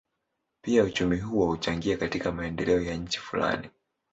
Pia uchumi huo huchangia katika maendeleo ya nchi fulani.